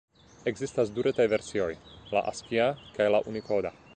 Ekzistas du retaj versioj: la askia kaj la unikoda.